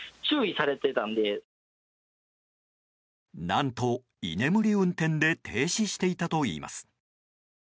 何と居眠り運転で停止していたといいます。